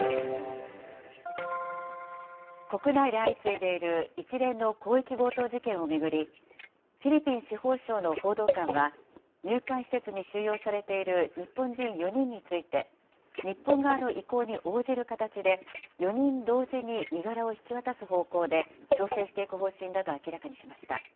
国内で相次いでいる一連の広域強盗事件を巡り、フィリピン司法省の報道官は、入管施設に収容されている日本人４人について、日本側の意向に応じる形で、４人同時に身柄を引き渡す方向で調整していく方針だと明らかにしました。